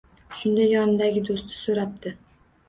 Shunda yonidagi do‘sti so‘rabdi.